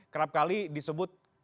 kerap kali disebut